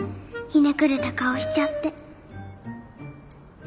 ひねくれた顔しちゃって。